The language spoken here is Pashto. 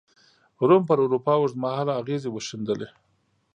روم پر اروپا اوږد مهاله اغېزې وښندلې.